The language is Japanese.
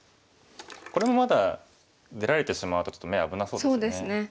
これもまだ出られてしまうとちょっと眼危なそうですよね。